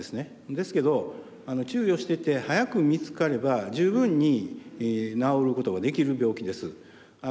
ですけど注意をしていて早く見つかれば十分に治ることができる病気です。